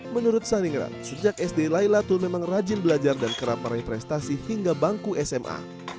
menurut saningrat sejak sd laylatul memang rajin belajar dan kerap meraih prestasi hingga bangku sma